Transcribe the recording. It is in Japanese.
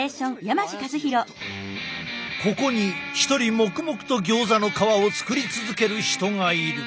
ここに一人黙々とギョーザの皮を作り続ける人がいる。